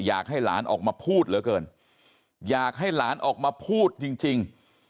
อยากให้หลานออกมาพูดเหลือเกินอยากให้หลานออกมาพูดจริง